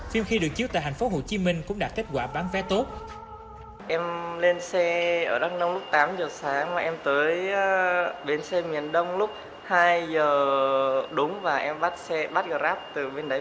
phim khi được chiếu tại hành phố hồ chí minh cũng đạt kết quả bán vé tốt